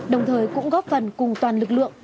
đồng thời cũng góp phần cùng toàn lực lượng